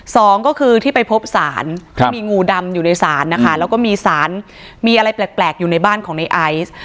สองก็คือที่ไปพบสารที่มีงูดำอยู่ในศาลนะคะแล้วก็มีสารมีอะไรแปลกอยู่ในบ้านของในไอซ์